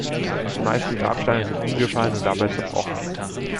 Die meisten Grabsteine sind umgefallen und dabei zerbrochen.